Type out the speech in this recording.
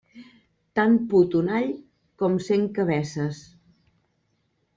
Tant put un all com cent cabeces.